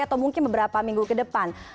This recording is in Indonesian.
atau mungkin beberapa minggu ke depan